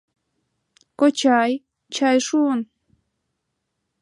Кочай, чай шуын!